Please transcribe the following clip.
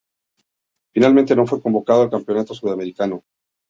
Finalmente no fue convocado al Campeonato Sudamericano.